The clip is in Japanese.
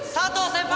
先輩！